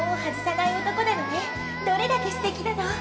どれだけすてきなの！